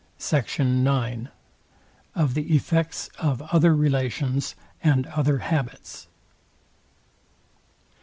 SECT. IX. OF THE EFFECTS OF OTHER RELATIONS AND OTHER HABITS.